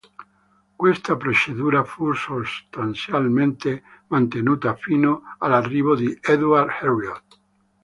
Questa procedura fu sostanzialmente mantenuta, fino all'arrivo di Édouard Herriot.